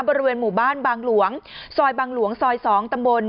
บริเวณหมู่บ้านบางหลวงซอยบางหลวงซอย๒ตำบล